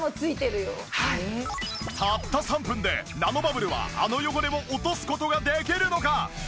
たった３分でナノバブルはあの汚れを落とす事ができるのか！？